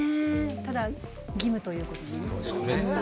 ただ義務ということでね。